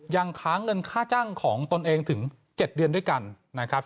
ยังค้างเงินค่าจ้างของตนเองถึง๗เดือนด้วยกันนะครับ